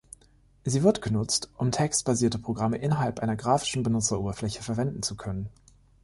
Sie wird genutzt, um textbasierte Programme innerhalb einer grafischen Benutzeroberfläche verwenden zu können.